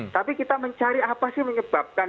tapi kita mencari apa sih menyebabkan